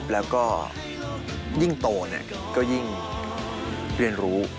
แล้วก็ยิ่งโตก็ยิ่งเรียนรู้